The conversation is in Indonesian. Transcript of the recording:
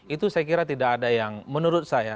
itu saya kira tidak ada yang menurut saya